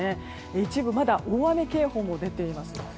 一部、まだ大雨警報も出ています。